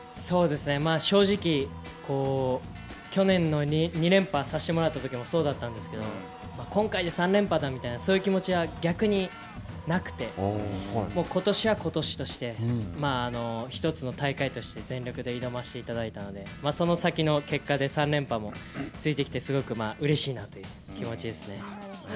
正直、去年の２連覇させてもらったときもそうだったんですけど、今回で３連覇だみたいな、そういう気持ちは逆になくて、ことしはことしとして、一つの大会として全力で挑ませていただいたので、その先の結果で３連覇もついてきて、すごくうれしいなという気持ちですね。